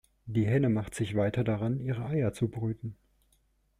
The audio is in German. Die Henne machte sich weiter daran, ihre Eier zu brüten.